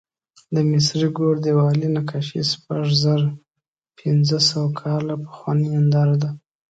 د مصري ګور دیوالي نقاشي شپږزرهپینځهسوه کاله پخوانۍ ننداره ده.